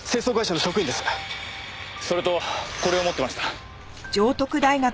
それとこれを持ってました。